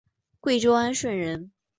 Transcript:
贵州安顺人。